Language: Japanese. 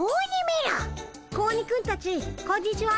子鬼くんたちこんにちは。